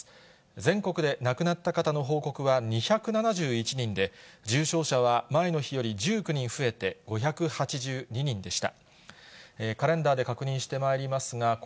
全国で亡くなった方の報告は２７１人で、重症者は前の日より１９人増えて５８２人でした。